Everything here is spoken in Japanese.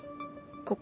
ここ？